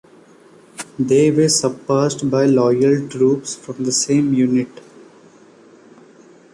They were suppressed by loyal troops from the same unit.